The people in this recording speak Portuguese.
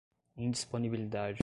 indisponibilidade